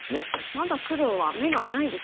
まだ黒は眼がないですもんね。